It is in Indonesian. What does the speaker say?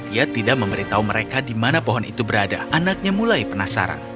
ia tidak memberitahu mereka di mana pohon itu berada anaknya mulai penasaran